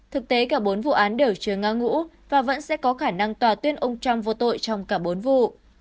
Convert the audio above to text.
thực tế cả bốn vụ án đều chưa nga ngũ và vẫn sẽ có khả năng tòa tuyên ông trump vô tội trong cả bốn vụ